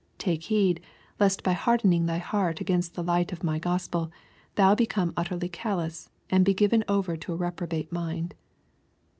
Take heed, lest by hardening thy heart against the light of my Gospel, thou become utterly callous, and be given over to a reprobate mind."